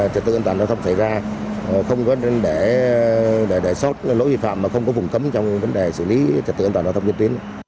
trực tự an toàn giao thông xảy ra không có để sốt